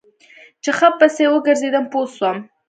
چې ښه پسې وګرځېدم پوه سوم.